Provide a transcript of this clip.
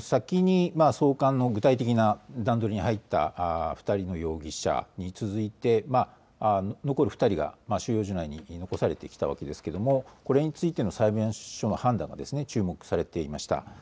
先に送還の具体的な段取りに入った２人の容疑者に続いて残る２人が収容所内に残されてきたわけですけれどもこれについての裁判所の判断が注目されていました。